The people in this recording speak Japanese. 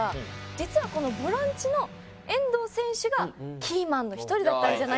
実はこのボランチの遠藤選手がキーマンの一人だったんじゃないかなと。